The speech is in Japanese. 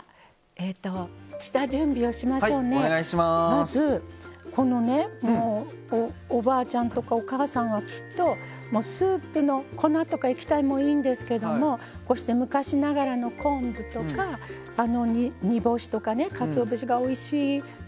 まずこのねおばあちゃんとかお母さんはきっとスープの粉とか液体もいいんですけどもこうして昔ながらの昆布とか煮干しとかねかつお節がおいしいだしがとれるのよね。